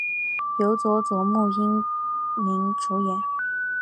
由佐佐木英明主演。